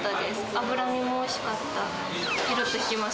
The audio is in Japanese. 脂身もおいしかった。